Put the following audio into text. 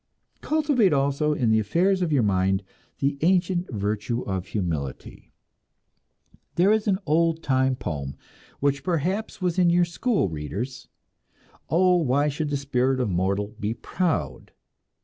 Cultivate also, in the affairs of your mind, the ancient virtue of humility. There is an oldtime poem, which perhaps was in your school readers, "Oh, why should the spirit of mortal be proud?"